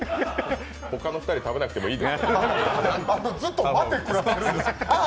他の２人、食べなくてもいい。